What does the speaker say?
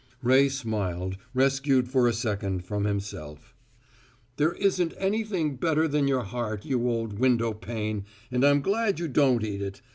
Ray smiled, rescued for a second from himself. "There isn't anything better than your heart, you old window pane, and I'm glad you don't eat it.